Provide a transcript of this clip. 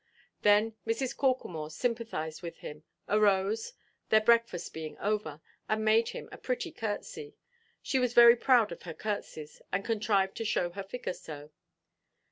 Then Mrs. Corklemore sympathized with him, arose, their breakfast being over, and made him a pretty curtsey. She was very proud of her curtseys; she contrived to show her figure so.